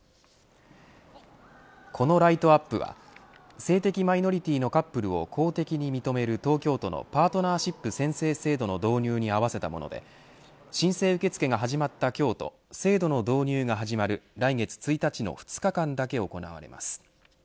このライトアップは性的マイノリティのカップルを公的に認める東京都のパートナーシップ宣誓制度の導入に合わせたもので申請受け付けが始まった今日と制度の導入が始まる来月１日の２日間だけ行われます。